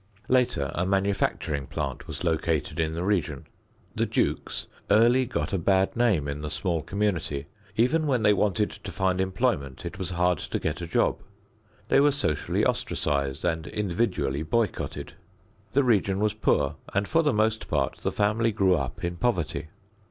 Later a manufacturing plant was located in the region. The Jukes early got a bad name in the small community. Even when they wanted to find employment it was hard to get a job. They were socially ostracized and individually boycotted. The region was poor, and for the most part the family grew up in poverty.